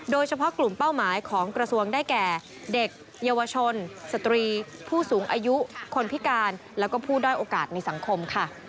โดยเฉพาะกลุ่มเป้าหมายของกระทรวงได้แก่เด็กเยาวชนสตรีผู้สูงอายุคนพิการแล้วก็ผู้ด้อยโอกาสในสังคมค่ะ